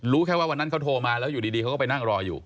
แค่ว่าวันนั้นเขาโทรมาแล้วอยู่ดีเขาก็ไปนั่งรออยู่